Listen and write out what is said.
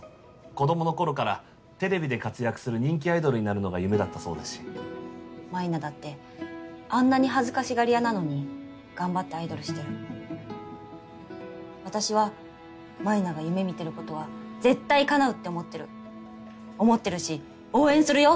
子どもの頃からテレビで活躍する人気アイドルになるのが夢だったそうですし舞菜だってあんなに恥ずかしがり屋なのに頑張ってアイドルしてる私は舞菜が夢見てることは絶対かなうって思ってる思ってるし応援するよ